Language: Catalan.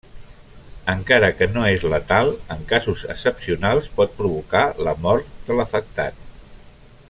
Encara que no és letal, en casos excepcionals pot provocar la mort de l'afectat.